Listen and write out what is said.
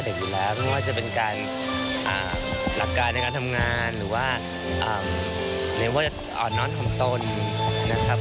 หรือว่าหลักการในการทำงานหรือว่าอ่อนนอนของตนนะครับ